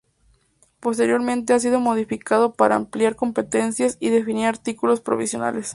Posteriormente ha sido modificado para ampliar competencias y definir artículos provisionales.